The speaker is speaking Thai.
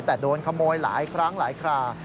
แต่โดนขโมยหลายครั้งหลายครา